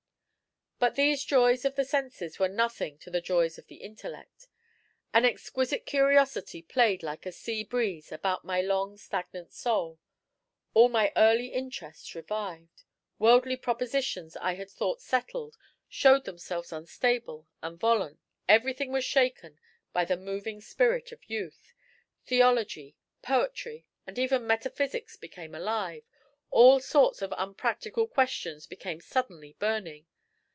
But these joys of the senses were as nothing to the joys of the intellect. An exquisite curiosity played like a sea breeze about my long stagnant soul. All my early interests revived; worldly propositions I had thought settled showed themselves unstable and volant; everything was shaken by the moving spirit of youth. Theology, poetry, and even metaphysics became alive; all sorts of unpractical questions became suddenly burning.